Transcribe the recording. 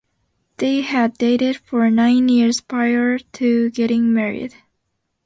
They had dated for nine years prior to getting married.